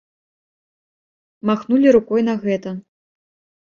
Махнулі рукой на гэта.